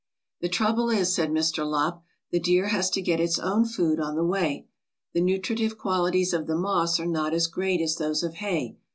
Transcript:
"The trouble is," said Mr. Lopp, "the deer has to get its own food on the way. The nutritive qualities of the moss are not as great as those' of hay.